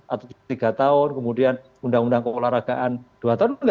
atau tiga tahun kemudian undang undang keolahragaan dua tahun